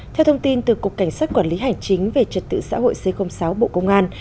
theo thông tin từ cục cảnh sát quản lý hành chính về trật tự xã hội c sáu bộ công an